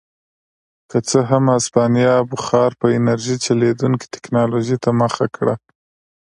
که څه هم هسپانیا بخار په انرژۍ چلېدونکې ټکنالوژۍ ته مخه کړه.